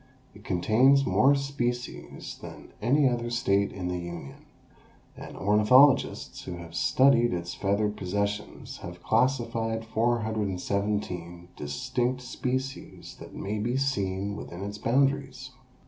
It contains more species than any other state in the Union, and ornithologists who have studied its feathered possessions have classified 417 distinct species that may be seen within its boundaries.